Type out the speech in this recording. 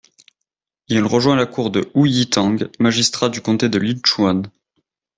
Il rejoint la cour de Hu Yitang, magistrat du comté de Línchuān.